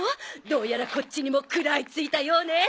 どうやらこっちにも食らいついたようね！